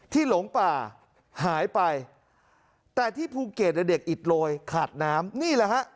หลงป่าหายไปแต่ที่ภูเก็ตเด็กอิดโรยขาดน้ำนี่แหละฮะ